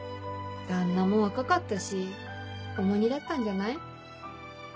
旦那も若かったし重荷だったんじゃない？